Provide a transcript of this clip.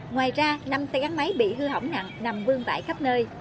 ngoài ra năm xe gắn máy bị hư hỏng nặng nằm vương tại khắp nơi